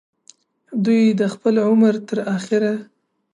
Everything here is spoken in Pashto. دوي د خپل عمر تر اخره